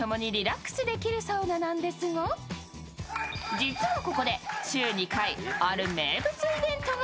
実はここで週２回ある名物イベントが